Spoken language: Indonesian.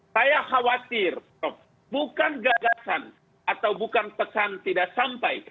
saya khawatir bukan gagasan atau bukan pesan tidak sampai